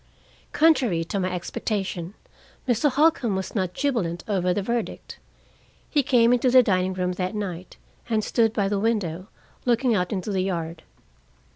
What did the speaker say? Contrary to my expectation, Mr. Holcombe was not jubilant over the verdict. He came into the dining room that night and stood by the window, looking out into the yard.